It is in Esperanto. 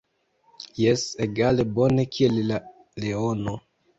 Jes, egale bone kiel la leono.